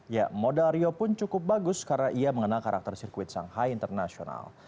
ya modal rio pun cukup bagus karena ia mengenal karakter sirkuit shanghai international